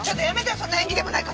そんな縁起でもない事！